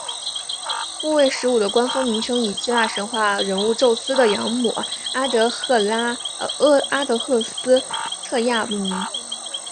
木卫十五的官方名称以希腊神话人物宙斯的养母阿德剌斯忒亚命名。